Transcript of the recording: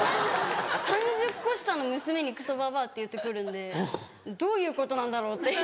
３０コ下の娘にクソばばあって言って来るんでどういうことなんだろう？って。